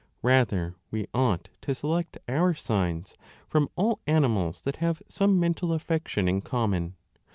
Rather, we ought to select our signs from all animals that have some 3 mental affection in common.